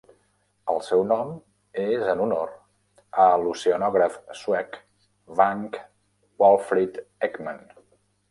El seu nom és en honor a l'oceanògraf suec Vagn Walfrid Ekman.